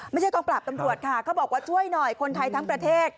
กองปราบตำรวจค่ะเขาบอกว่าช่วยหน่อยคนไทยทั้งประเทศ